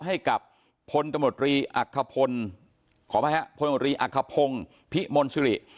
ให้กับพลตมตรีอักขพลขออภัยฮะพลมตรีอักขพงศ์พิมลสิริ